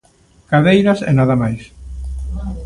Cadeiras e nada máis.